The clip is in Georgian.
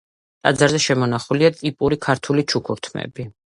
ტაძარზე შემონახულია ტიპური ქართული ჩუქურთმები.